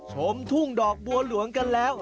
ชมทุ่งดอกบัวหลวงกันแล้ว